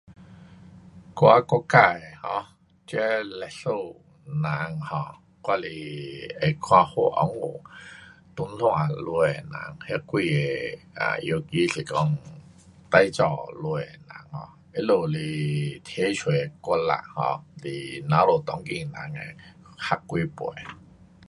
我的国家的 um 这历史人 um，我是会看好温故唐山下的人，那几个啊尤其是讲最早下的人，um 他们是提出努力 um 是我们当今人的合几倍。